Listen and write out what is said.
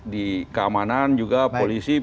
di keamanan juga polisi